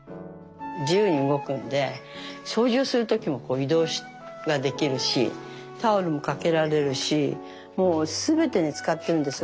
自由に動くんで掃除をする時も移動ができるしタオルも掛けられるしもうすべてに使ってるんですよ。